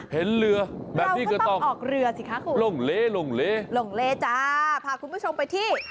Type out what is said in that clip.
เห็นเรือแบบนี้ก็ต้องลงเลจ้าพาคุณผู้ชมไปที่